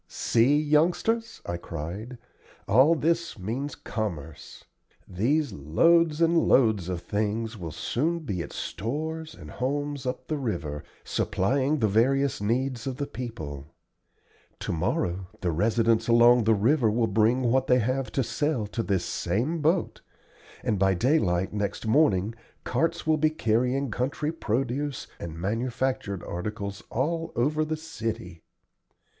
"See, youngsters," I cried, "all this means commerce. These loads and loads of things will soon be at stores and homes up the river, supplying the various needs of the people. Tomorrow the residents along the river will bring what they have to sell to this same boat, and by daylight next morning carts will be carrying country produce and manufactured articles all over the city.